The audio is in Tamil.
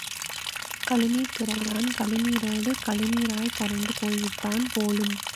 கழுநீர்த் துறையான் கழுநீரோடு கழுநீராய் கரைந்து போய்விட்டான் போலும்!